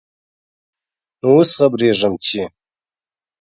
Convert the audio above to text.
نوو اوس خبريږم ، چې ...